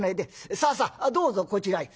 さあさあどうぞこちらへ」。